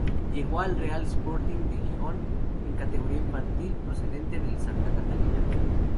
Llegó al Real Sporting de Gijón en categoría infantil procedente del Santa Catalina.